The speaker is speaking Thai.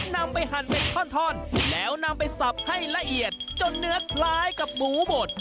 นำไปหั่นเป็นท่อนแล้วนำไปสับให้ละเอียดจนเนื้อคล้ายกับหมูบด